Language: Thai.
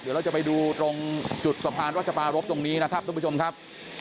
เดี๋ยวเราจะไปดูตรงจุดสะพานรัชปารพตรงนี้นะครับทุกผู้ชมครับ